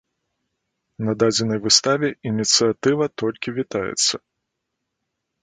На дадзенай выставе ініцыятыва толькі вітаецца.